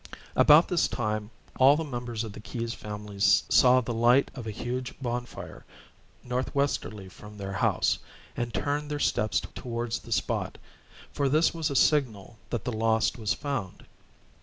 About this time all the members of the Keyes family saw the light of a huge bonfire, northwesterly from their house, and turned their steps towards the spot; for this was a signal that the lost was found.